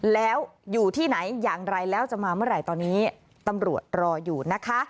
แล้วอยู่ที่ไหนอย่างไรแล้วจะมาเมื่อไหร่ตอนนี้ตำรวจรออยู่นะคะ